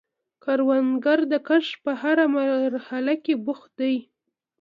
کروندګر د کښت په هره مرحله کې بوخت دی